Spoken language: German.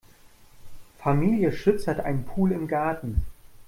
Familie Schütz hat einen Pool im Garten.